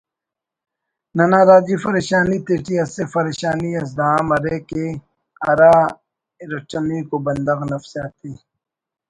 ننا راجی فریشانی تیٹی اسہ فریشانی اس دا ہم ارے کہ ہر ارٹمیکو بندغ نفسیاتی